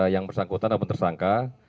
yang bersangkutan atau tersangka